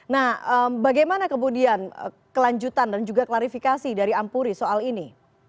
nah bagaimana kemudian kelanjutan dan juga klarifikasi dari ampuri soal ini